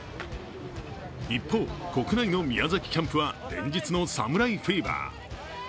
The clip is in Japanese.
一方、国内の宮崎キャンプは連日の侍フィーバー。